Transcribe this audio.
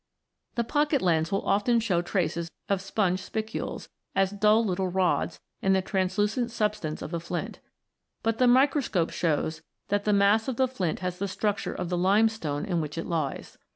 The pocket lens will often show traces of sponge spicules, as dull little rods, in the translucent sub stance of a flint. But the microscope shows that the mass of the flint has the structure of the limestone in which it lies.